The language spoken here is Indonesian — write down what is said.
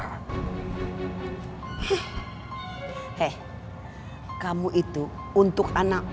hei kamu itu untuk anak oma